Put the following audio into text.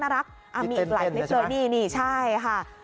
อ่ามีอีกหลายนิดเลยนี่ใช่ไหมค่ะพี่เต้นใช่ไหม